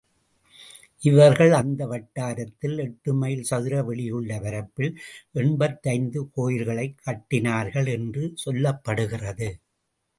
இவர்கள் அந்த வட்டாரத்தில், எட்டு மைல் சதுர வெளியுள்ள பரப்பில் எண்பத்தைந்து கோயில்களைக் கட்டினார்கள் என்று சொல்லப்படுகிறது.